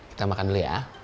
kita makan dulu ya